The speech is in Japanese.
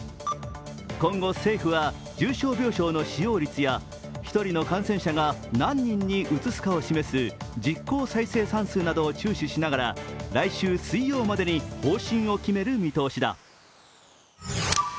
今後、政府は重症病床の使用率や１人の感染者が何人にうつすかを示す実効再生産数などを注視しながら来週水曜までに方針を決める見通しだ。